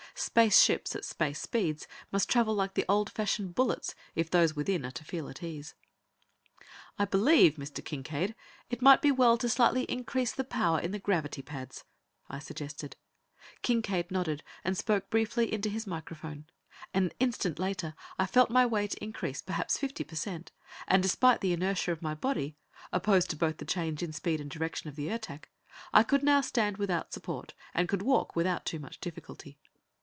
Space ships, at space speeds, must travel like the old fashioned bullets if those within are to feel at ease. "I believe, Mr. Kincaide, it might be well to slightly increase the power in the gravity pads," I suggested. Kincaide nodded and spoke briefly into his microphone; an instant later I felt my weight increase perhaps fifty per cent, and despite the inertia of my body, opposed to both the change in speed and direction of the Ertak, I could now stand without support, and could walk without too much difficulty.